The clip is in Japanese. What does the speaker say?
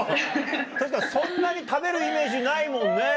確かにそんなに食べるイメージないもんね。